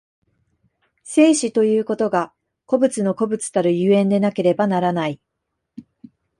生死ということが個物の個物たる所以でなければならない。